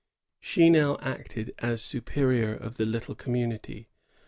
She now acted as superior of the little community.